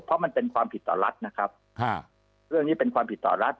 เพราะมันเป็นความผิดต่อรัฐนะครับเรื่องนี้เป็นความผิดต่อรัฐ